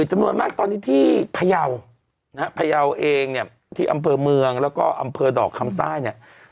จำนวนมากตอนนี้ที่พยาวณ์เองเนี่ยที่อำเมืองแล้วก็อำเมืองดอกคัมใต้เนี่ย